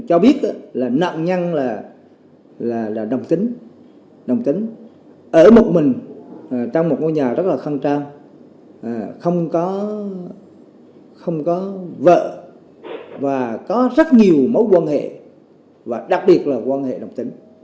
ở một mình trong một ngôi nhà rất là khăn trang không có vợ và có rất nhiều mối quan hệ đặc biệt là quan hệ độc tính